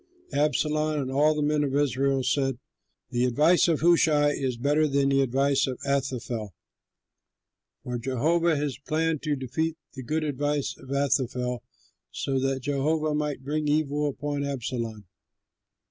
Absalom and all the men of Israel said, "The advice of Hushai is better than the advice of Ahithophel." For Jehovah had planned to defeat the good advice of Ahithophel, so that Jehovah might bring evil upon Absalom.